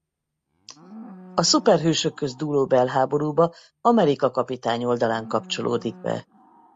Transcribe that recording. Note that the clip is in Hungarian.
A szuperhősök közt dúló belháborúba Amerika Kapitány oldalán kapcsolódik be.